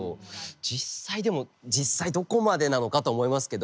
実際でも実際どこまでなのかとは思いますけど。